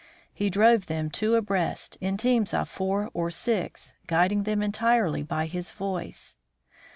He drove them two abreast, in teams of four or six, guiding them entirely by his voice.